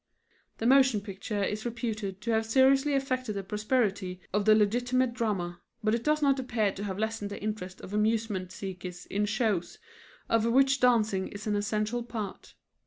The motion picture is reputed to have seriously affected the prosperity of the legitimate drama, but it does not appear to have lessened the interest of amusement seekers in shows of which dancing is an essential part.